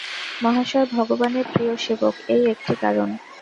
মহাশয় ভগবানের প্রিয় সেবক, এই একটি কারণ।